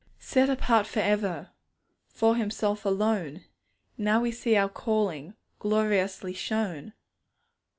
Set apart for ever For Himself alone! Now we see our calling Gloriously shown.